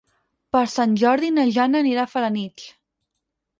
Per Sant Jordi na Jana anirà a Felanitx.